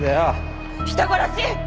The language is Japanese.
人殺し！